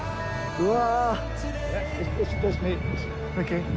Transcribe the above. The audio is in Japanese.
うわ。